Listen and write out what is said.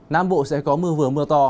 nam bộ sẽ có mưa vừa mưa to